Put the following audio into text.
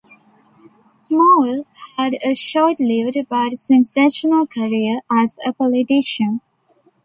Moule had a short-lived but sensational career as a politician.